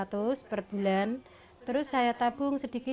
tanpa penghargaan yang cukup